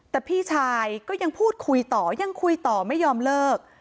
แต่พี่ชายก็ยังพูดคุยต่อยังคุยต่อไม่ยอมเลิก